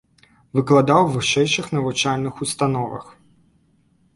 Выкладаў у вышэйшых навучальных установах.